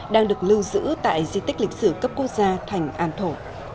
đang được lưu giữ tại di tích lịch sử cấp quốc gia thành an thổ